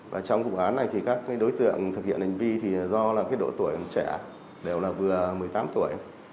và trong vụ án này thì các đối tượng thực hiện hành vi thì do là cái độ tuổi trẻ đều là vừa một mươi tám tuổi